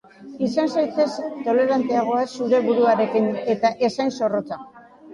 Izan zaitez toleranteagoa zure buruarekin, eta ez hain zorrotza.